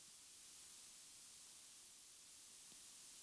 د مسودو ملا پوونده اخُند لومړی پښتون غازي وو.